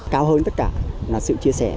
cao hơn tất cả là sự chia sẻ